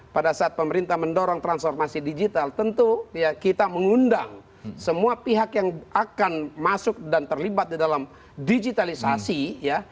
pada saat pemerintah mendorong transformasi digital tentu kita mengundang semua pihak yang akan masuk dan terlibat di dalam digitalisasi ya